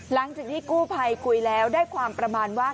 หลังจากที่กู้ภัยคุยแล้วได้ความประมาณว่า